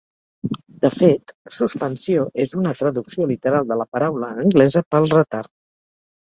De fet, suspensió és una traducció literal de la paraula anglesa pel retard.